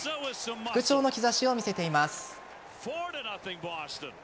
復調の兆しを見せています。